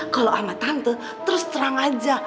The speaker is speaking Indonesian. kalau amat tante terus terang aja